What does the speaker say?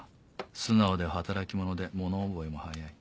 素直で働き者で物覚えも早い。